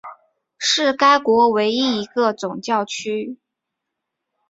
是该国唯一一个总教区。